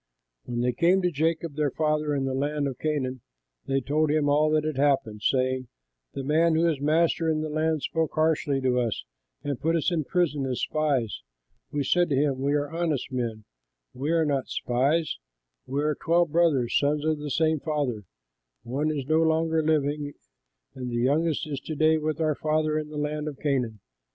When they came to Jacob their father in the land of Canaan, they told him all that had happened, saying, "The man who is master in that land spoke harshly to us and put us in prison as spies. We said to him, 'We are honest men; we are not spies; we are twelve brothers, sons of the same father; one is no longer living, and the youngest is to day with our father in the land of Canaan.'